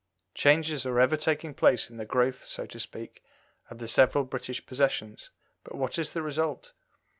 Changes are ever taking place in the growth, so to speak, of the several British possessions, but what is the result?